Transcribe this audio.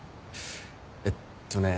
えっとね。